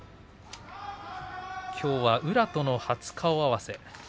きょうは宇良との初顔合わせ。